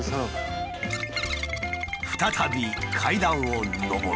再び階段を上る。